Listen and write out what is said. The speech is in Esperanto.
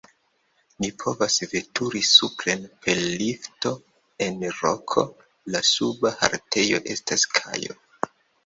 Ni povas veturi supren per lifto en roko, la suba haltejo estas kajo.